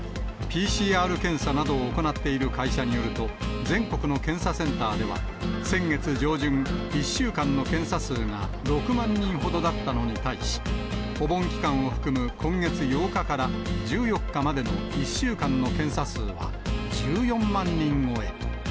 ＰＣＲ検査などを行っている会社によると、全国の検査センターでは、先月上旬、１週間の検査数が、６万人ほどだったのに対し、お盆期間を含む今月８日から１４日までの１週間の検査数は１４万人超え。